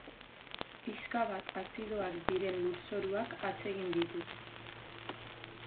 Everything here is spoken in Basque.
Pixka bat azidoak diren lurzoruak atsegin ditu.